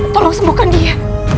tolong sembuhkan dia